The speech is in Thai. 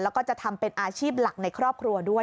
แล้วก็จะทำเป็นอาชีพหลักในครอบครัวด้วย